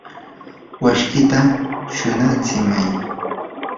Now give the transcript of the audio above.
washkita shunatsimay.